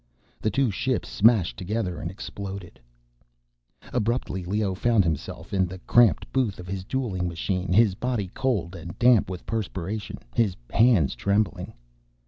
The two ships smashed together and exploded. Abruptly, Leoh found himself in the cramped booth of the dueling machine, his body cold and damp with perspiration, his hands trembling.